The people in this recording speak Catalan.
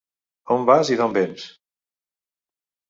On vas i d’on véns?